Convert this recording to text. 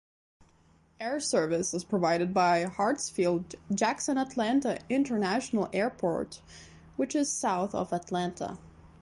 Air service is provided by Hartsfield-Jackson Atlanta International Airport, which is south of Atlanta.